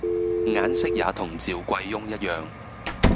眼色也同趙貴翁一樣，